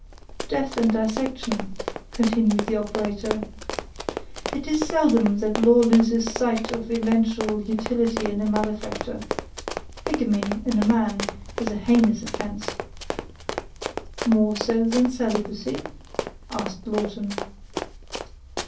"Death and dissection," continued the operator. "It is seldom that law loses sight of eventual utility in a malefactor. Bigamy, in a man, is a heinous offense!" "More so than celibacy?" asked Lawton.